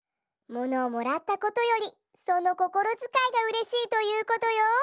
「ものをもらったことよりそのこころづかいがうれしい」ということよ。